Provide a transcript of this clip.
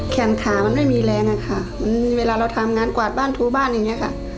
แขนขามันไม่มีแรงอะค่ะมันมีเวลาเราทำงานกวาดบ้านทูบ้านอย่างนี้ค่ะ